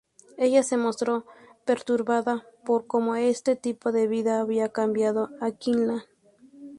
Ella se mostró perturbada por cómo ese tipo de vida había cambiado a Quinlan.